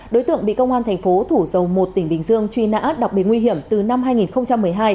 đối tượng bị công an thành phố thủ dầu một tỉnh bình dương truy nã đặc biệt nguy hiểm từ năm hai nghìn một mươi hai